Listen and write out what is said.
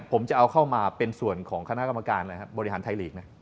ผมจะเอาเข้ามาเป็นส่วนของคณะกรรมการบริหารไทยลีกนะ